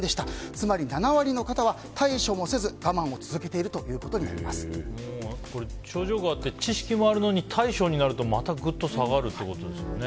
つまり７割の方は対処もせず我慢を続けている症状があって知識もあるのに対処になるとまたぐっと下がるってことですよね。